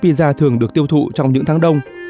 các loại bánh pizza thường được tiêu thụ trong những tháng đông